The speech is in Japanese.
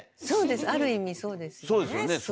そうですある意味そうですよね。